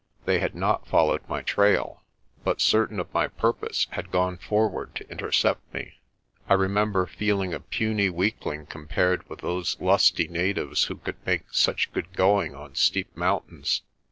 They had not followed my trail, but certain of my purpose, had gone forward to intercept me. I remember feeling a puny weakling compared with those lusty natives who could make such good going on steep mountains.